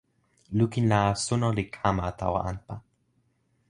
lukin la, suno li kama tawa anpa.